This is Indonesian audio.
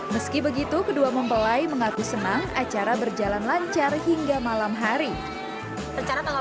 meski begitu kedua mempelai mengaku senang acara berjalan lancar hingga malam hari